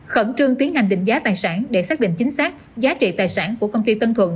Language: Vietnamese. khẩn trương tiến hành định giá tài sản để xác định chính xác giá trị tài sản của công ty tân thuận